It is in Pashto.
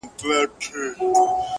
• هغه چي اوس زما په مخه راسي مخ اړوي ,